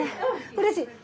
うれしい！